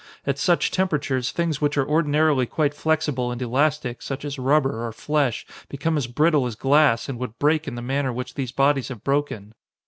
At such temperatures, things which are ordinarily quite flexible and elastic, such as rubber, or flesh, become as brittle as glass and would break in the manner which these bodies have broken.